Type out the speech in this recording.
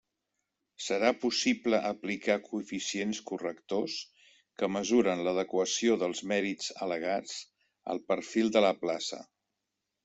Serà possible aplicar coeficients correctors que mesuren l'adequació dels mèrits al·legats al perfil de la plaça.